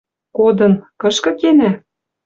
Кодын... Кышкы кенӓ?